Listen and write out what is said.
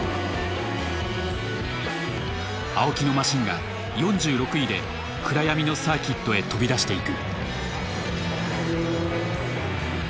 青木のマシンが４６位で暗闇のサーキットへ飛び出していく。